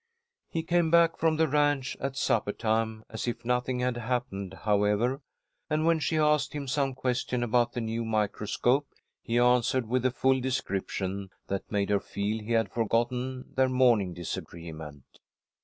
He came back from the ranch at supper time as if nothing had happened, however, and when she asked him some question about the new microscope, he answered with a full description that made her feel he had forgotten their morning disagreement.